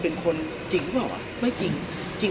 พี่อัดมาสองวันไม่มีใครรู้หรอก